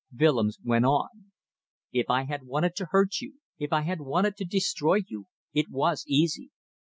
Willems went on "If I had wanted to hurt you if I had wanted to destroy you, it was easy.